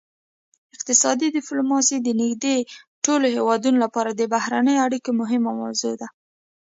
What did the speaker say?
اقتصادي ډیپلوماسي د نږدې ټولو هیوادونو لپاره د بهرنیو اړیکو مهمه موضوع ده